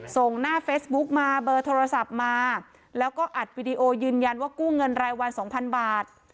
ส่งหน้าเฟซบุ๊กมาเบอร์โทรศัพท์มาแล้วก็อัดวิดีโอยืนยันว่ากู้เงินรายวันสองพันบาท